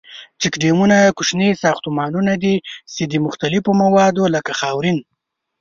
چیک ډیمونه کوچني ساختمانونه دي ،چې د مختلفو موادو لکه خاورین.